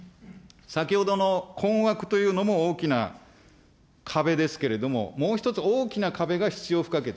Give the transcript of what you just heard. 先ほどの困惑というのも大きな壁ですけれども、もう一つ、大きな壁が必要不可欠。